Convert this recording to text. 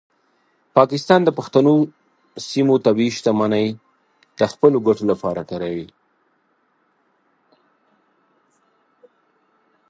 پاکستان د پښتنو سیمو طبیعي شتمنۍ د خپلو ګټو لپاره کاروي.